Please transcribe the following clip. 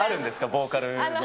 ボーカルの。